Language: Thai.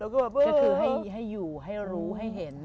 ก็คือให้อยู่ให้รู้ให้เห็น